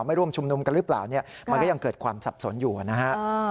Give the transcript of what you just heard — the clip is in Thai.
ไม่ร่วมชุมนุมกันหรือเปล่าเนี่ยมันก็ยังเกิดความสับสนอยู่นะฮะ